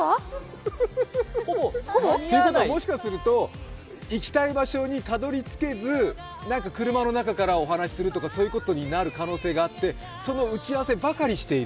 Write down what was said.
もしかすると行きたい場所にたどりつけず、車の中からお話しするとか、そういうことの可能性があってその打ち合わせばかりしている。